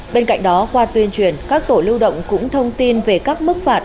bên cạnh đó qua tuyên truyền các tổ lưu động cũng thông tin về các mức phạt